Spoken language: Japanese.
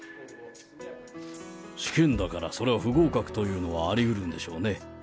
試験だからそれは不合格というのはありうるんでしょうね。